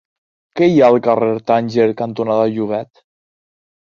Què hi ha al carrer Tànger cantonada Llobet?